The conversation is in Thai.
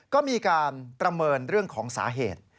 ก็มีการประเมินเรื่องของสาเหตุ